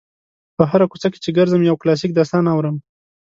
په هره کوڅه کې چې ګرځم یو کلاسیک داستان اورم.